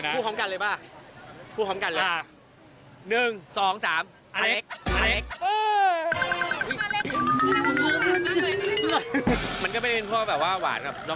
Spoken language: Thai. อ๋อสุขภาพน้ำแดดเออมันใช่ผมหมดเลย